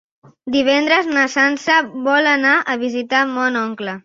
Divendres na Sança vol anar a visitar mon oncle.